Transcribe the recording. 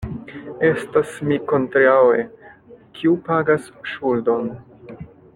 Estas mi kontraŭe, kiu pagas ŝuldon.